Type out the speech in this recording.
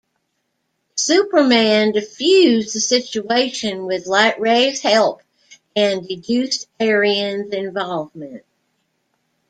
Superman defused the situation with Lightray's help and deduced Arion's involvement.